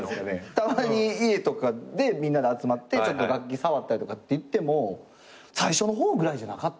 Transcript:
たまに家とかでみんなで集まってちょっと楽器触ったりとかっていっても最初の方ぐらいじゃなかった？